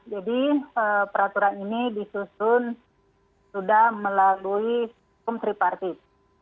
jadi peraturan ini disusun sudah melalui hukum tripartis